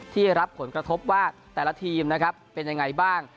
ที่รับผลกระทบว่าแต่ละทีมนะครับเป็นยังไงบ้าง